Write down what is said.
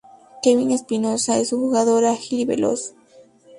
Kevin Espinoza es un jugador ágil y veloz.